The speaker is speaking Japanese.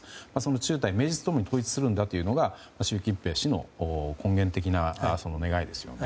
中台、名実共に統一するんだというのが習近平氏の根源的な願いですよね。